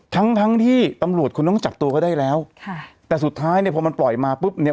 ทั้งทั้งที่ตำรวจคุณต้องจับตัวเขาได้แล้วค่ะแต่สุดท้ายเนี่ยพอมันปล่อยมาปุ๊บเนี่ย